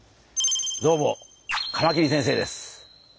どうもカマキリ先生です。